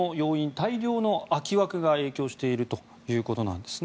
大量の空き枠が影響しているということです。